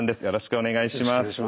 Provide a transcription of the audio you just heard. よろしくお願いします。